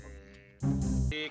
jangan lupa ya